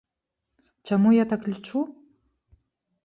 Чаму я так лічу?